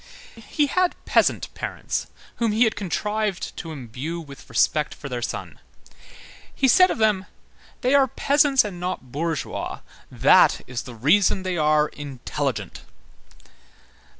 He had peasant parents whom he had contrived to imbue with respect for their son. He said of them: "They are peasants and not bourgeois; that is the reason they are intelligent."